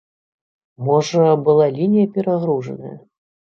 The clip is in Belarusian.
Можа была лінія перагружаная?